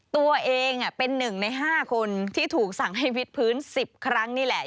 ตัวเองเป็น๑ใน๕คนที่ถูกสั่งให้วิดพื้น๑๐ครั้งนี่แหละ